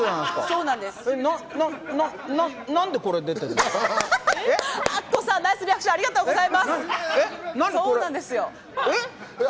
そうなんですよ。